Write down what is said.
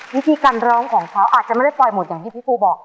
วิธีการร้องของเขาอาจจะไม่ได้ปล่อยหมดอย่างที่พี่ปูบอก